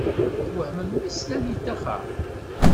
Twehhmen mi slan yeṭṭaxer.